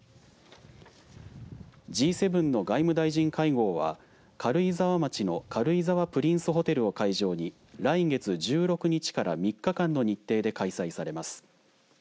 Ｇ７の外務大臣会合は軽井沢町の軽井沢プリンスホテルを会場に来月１６日から３日間の日程で開催されます。